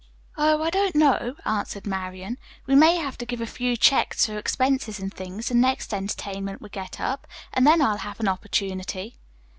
"Oh, I don't know," answered Marian, "we may have to give a few checks for expenses and things, the next entertainment we get up, and then I'll have an opportunity."